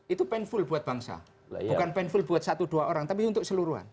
itu painful buat bangsa bukan painful buat satu dua orang tapi untuk seluruhan